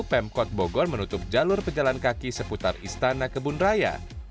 pemkot bogor menutup jalur pejalan kaki seputar istana kebun raya